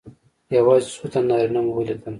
یوازې څو تنه نارینه مې ولیدل.